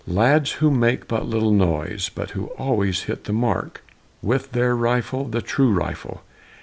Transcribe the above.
Lads who make but little noise, But who always hit the mark With the rifle, the true rifle!